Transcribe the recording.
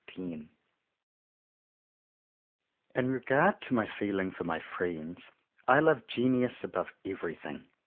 130 X IN REGARD to ftiy feelings for my friends — I love genius above everything.